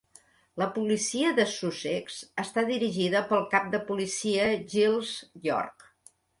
La policia de Sussex està dirigida pel cap de policia Giles York.